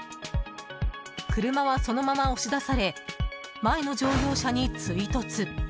車はそのまま押し出され前の乗用車に追突。